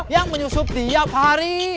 yang menyusup tiap hari